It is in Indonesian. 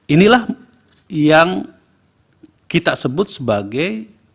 inilah yang kita sebut sebagai